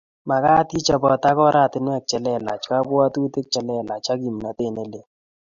Magat ichopot ak orantiwek che lelach kabwatutik che lelach ak kimnatet ne lel